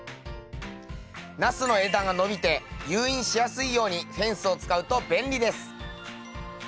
ナスの枝が伸びて誘引しやすいようにフェンスを使うと便利です。